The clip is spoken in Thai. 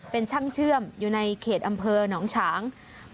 เป็นช่างเชื่อมอยู่ในเขตอำเภอหนองฉาง